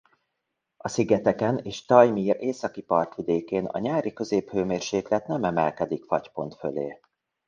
A szigeteken és Tajmir északi partvidékén a nyári középhőmérséklet nem emelkedik fagypont fölé.